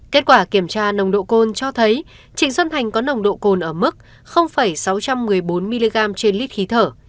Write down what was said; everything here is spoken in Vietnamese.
kết quả kiểm tra nồng độ côn cho thấy trịnh xuân thành có nồng độ cồn ở mức sáu trăm một mươi bốn mg trên lít khí thở